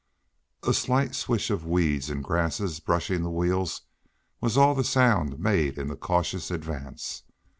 A slight swish of weeds and grasses brushing the wheels was all the sound made in the cautious advance.